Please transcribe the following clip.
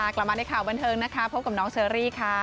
กลับมาในข่าวบันเทิงนะคะพบกับน้องเชอรี่ค่ะ